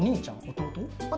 弟？